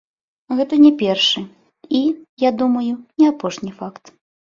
Гэта не першы і, я думаю, не апошні факт.